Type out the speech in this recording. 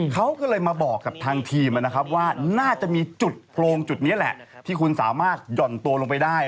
เขาก็เลยมาบอกกับทางทีมนะครับว่าน่าจะมีจุดโพรงจุดนี้แหละที่คุณสามารถหย่อนตัวลงไปได้